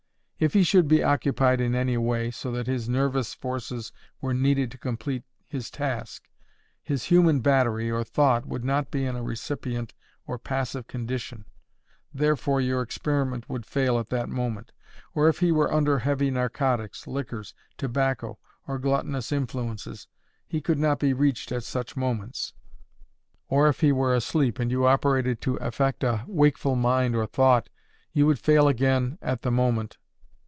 If he should be occupied in any way, so that his nervous forces were needed to complete his task, his "Human Battery," or thought, would not be in a recipient or passive condition, therefore your experiment would fail at that moment. Or if he were under heavy narcotics, liquors, tobacco, or gluttonous influences, he could not be reached at such moments. Or, if he were asleep, and you operated to affect a wakeful mind or thought, you would fail again at the moment.